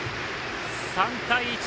３対１。